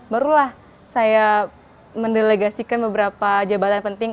barulah saya mendelegasikan beberapa jabatan penting